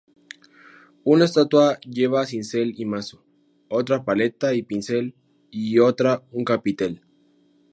Una estatua lleva cincel y mazo, otra paleta y pincel y otra un capitel.